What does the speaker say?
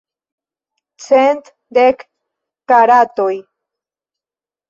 Cent dek karatoj.